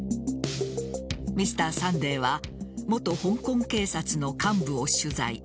「Ｍｒ．サンデー」は元香港警察の幹部を取材。